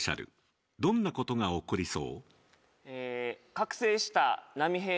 どんなことが起こりそう？